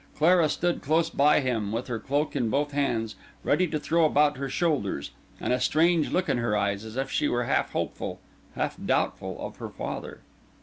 Clara stood close by him, with her cloak in both hands ready to throw about her shoulders, and a strange look in her eyes, as if she were half hopeful, half doubtful of her father.